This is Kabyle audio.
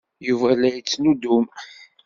Yuba la yettnuddum.